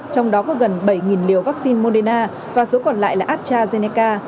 trong đó có gần bảy liều vaccine moderna và số còn lại là astrazeneca